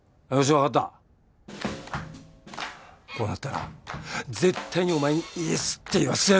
こうなったら絶対にお前にイエスって言わせてやる。